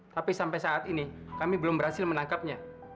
tapi sampai saat ini kami belum berhasil menangkapnya